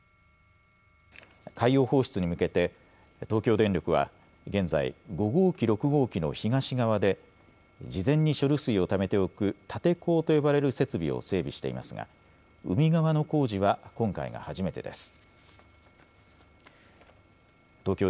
海洋放出に向けて東京電力は現在、５号機、６号機の東側で事前に処理水をためておく立て坑と呼ばれる設備を整備していますが海側の工事は今回が初めてです。